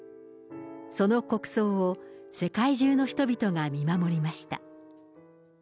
その国葬を世界中の人々が見守りました。